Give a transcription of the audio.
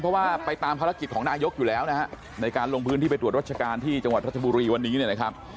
เพราะว่าไปตามภารกิจของนายกอยู่แล้วนะฮะในการลงพื้นที่ไปตรวจรัชการที่จังหวัดรัชบุรีวันนี้เนี่ยนะครับ